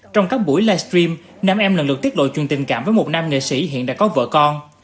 trong các buổi livestream nam em lần lượt tiết lộ truyền tình cảm với một nam nghệ sĩ hiện đã có vợ con